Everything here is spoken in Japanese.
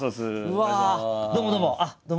どうもどうもどうも。